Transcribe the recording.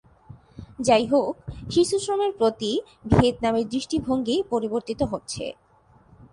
যাইহোক শিশুশ্রমের প্রতি ভিয়েতনামের দৃষ্টিভঙ্গি পরিবর্তীত হচ্ছে।